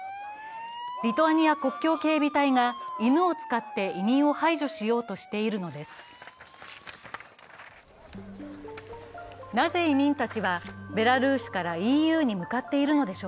リトアニア国境警備隊が犬を使って移民を排除しようとしているのです。